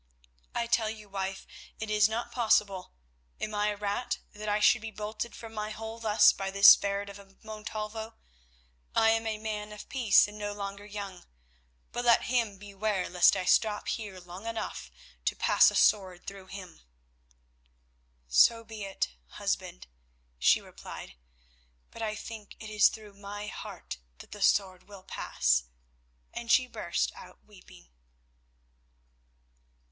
"I tell you, wife, it is not possible. Am I a rat that I should be bolted from my hole thus by this ferret of a Montalvo? I am a man of peace and no longer young, but let him beware lest I stop here long enough to pass a sword through him." "So be it, husband," she replied, "but I think it is through my heart that the sword will pass," and she burst out weeping.